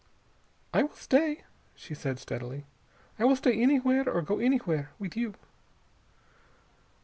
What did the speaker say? "I will stay," she said steadily. "I will stay anywhere or go anywhere, with you."